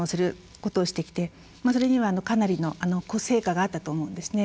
まあそれにはかなりの成果があったと思うんですね。